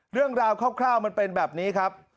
เรื่องราวคร่าวมันเป็นแบบนี้ครับ